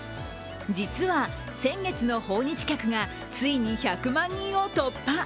実は、先月の訪日客がついに１００万人を突破。